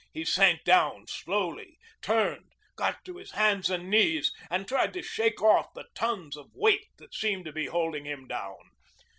He sank down slowly, turned, got to his hands and knees, and tried to shake off the tons of weight that seemed to be holding him down.